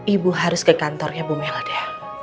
ibu harus ke kantornya bu melda